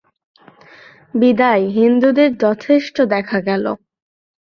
বিদায়, হিন্দুদের যথেষ্ট দেখা গেল।